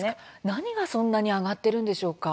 何がそんなに上がってるんでしょうか？